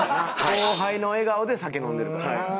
後輩の笑顔で酒飲んでるからな。